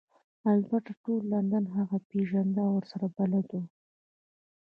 البته ټول لندن هغه پیژنده او ورسره بلد وو